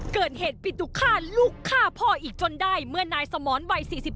เกิดเหตุปิตุฆาตลูกฆ่าพ่ออีกจนได้เมื่อนายสมรวัย๔๔